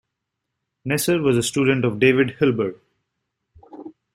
Kneser was a student of David Hilbert.